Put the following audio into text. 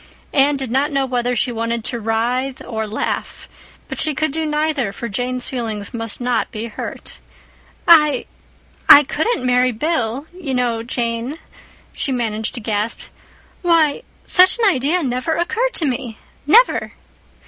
Anne did not know whether she wanted to writhe or laugh; but she could do neither, for Jane's feelings must not be hurt. "I—I couldn't marry Bill, you know, Jane," she managed to gasp. "Why, such an idea never occurred to me—never!"